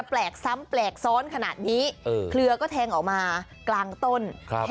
แบกซ้อนขนาดนี้เคลือก็แทงออกมากลางต้น